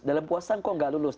dalam puasa engkau nggak lulus